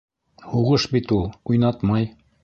Һуғыш бит ул, уйнатмай.